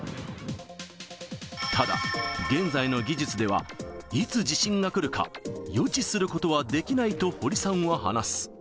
ただ、現在の技術では、いつ地震が来るか、予知することはできないと堀さんは話す。